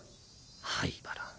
灰原。